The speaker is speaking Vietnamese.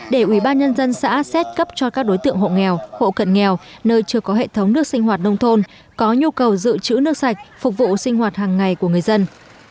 để ubnd xã xét cấp cho các đối tượng hộ nghèo hộ cận nghèo nơi chưa có hệ thống nước sinh hoạt nông thôn có nhu cầu dự trữ nước sạch phục vụ sinh hoạt hàng ngày của người dân